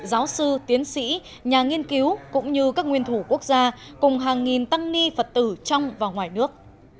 giáo sư tiến sĩ nhà nghiên cứu cũng như các nguyên thủ quốc gia cùng hàng nghìn tăng ni phật tử trong và ngoài nước